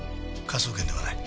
科捜研ではない。